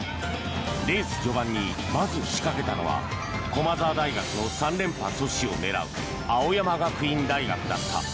レース序盤に、まず仕掛けたのは駒澤大学の３連覇阻止を狙う青山学院大学だった。